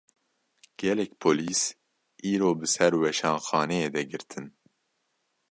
Gelek polîs, îro bi ser weşanxaneyê de girtin